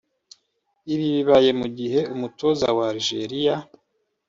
Ibi bibaye mu gihe umutoza wa Algeria